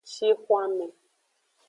Shixwanme.